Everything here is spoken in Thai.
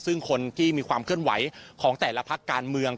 ซึ่งคนที่มีความเคลื่อนไหวของแต่ละพักการเมือง